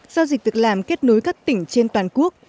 giao dịch việc làm kết nối các tỉnh trên toàn quốc